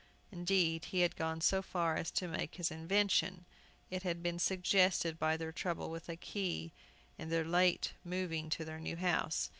Indeed, he had gone so far as to make his invention. It had been suggested by their trouble with a key, in their late moving to their new house.